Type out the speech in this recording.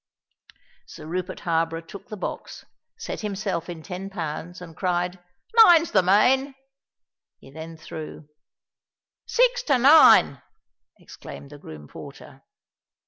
Sir Rupert Harborough took the box, set himself in ten pounds, and cried, "Nine's the main." He then threw. "Six to nine!" exclaimed the groom porter.